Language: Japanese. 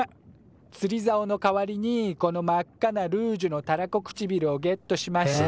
つりざおの代わりにこの真っ赤なルージュのたらこ唇をゲットしました。